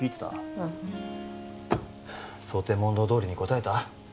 うん想定問答どおりに答えた？